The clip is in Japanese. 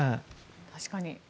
確かに。